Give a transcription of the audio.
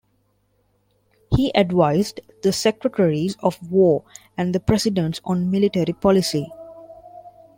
He advised the secretaries of war and the presidents on military policy.